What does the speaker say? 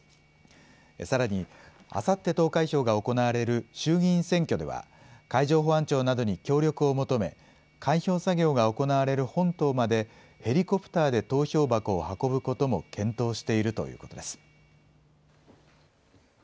さらに、あさって投開票が行われる衆議院選挙では、海上保安庁などに協力を求め、開票作業が行われる本島までヘリコプターで投票箱を運ぶことも検討しているということです。